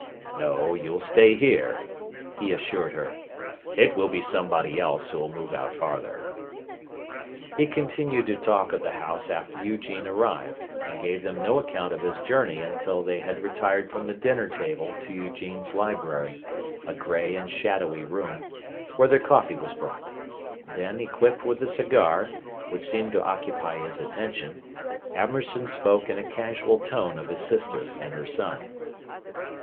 "No, you'll stay here," he assured her. "It will be somebody else who'll move out farther." He continued to talk of the house after Eugene arrived, and gave them no account of his journey until they had retired from the dinner table to Eugene's library, a gray and shadowy room, where their coffee was brought. Then, equipped with a cigar, which seemed to occupy his attention, Amberson spoke in a casual tone of his sister and her son.